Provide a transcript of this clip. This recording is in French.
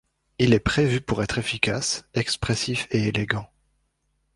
Il est prévu pour être efficace, expressif et élégant.